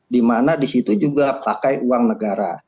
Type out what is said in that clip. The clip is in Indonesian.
dimana disitu juga pakai uang negara